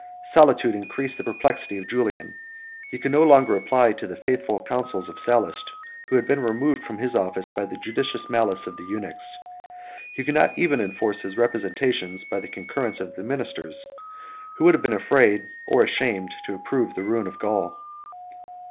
Solitude increased the perplexity of Julian; he could no longer apply to the faithful counsels of Sallust, who had been removed from his office by the judicious malice of the eunuchs: he could not even enforce his representations by the concurrence of the ministers, who would have been afraid or ashamed to approve the ruin of Gaul.